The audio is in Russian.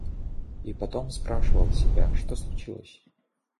И потом спрашивал себя, что случилось?